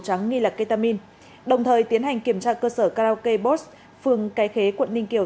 trắng nghi là ketamin đồng thời tiến hành kiểm tra cơ sở karaoke bos phường cái khế quận ninh kiều